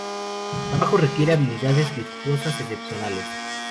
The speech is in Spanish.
El trabajo requiere habilidades virtuosas excepcionales.